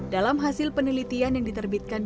dalam hasil penelitian yang diterbitkan